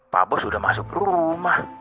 pak bos sudah masuk rumah